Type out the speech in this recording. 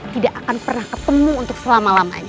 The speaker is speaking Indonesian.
tidak akan pernah ketemu untuk selama lamanya